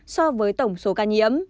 so với tổng số ca nhiễm